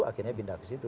akhirnya pindah ke situ